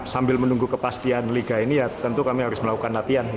sambil menunggu kepastian liga ini ya tentu kami harus melakukan latihan